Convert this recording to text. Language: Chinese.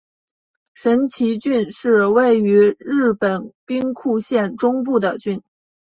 神崎郡是位于日本兵库县中部的郡。